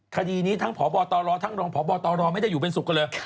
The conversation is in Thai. คดีนี้ทั้งพบตรทั้งรองพบตรไม่ได้อยู่เป็นสุขกันเลย